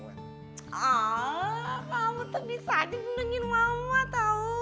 aaaa mama tuh bisa dibendingin mama tau